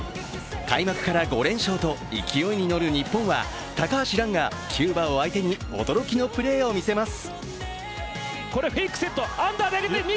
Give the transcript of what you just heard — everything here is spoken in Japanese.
開幕から５連勝と勢いに乗る日本は高橋藍がキューバを相手に驚きのプレーを見せます。